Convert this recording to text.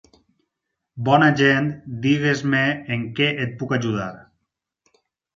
Bona gent, digues-me en què et puc ajudar.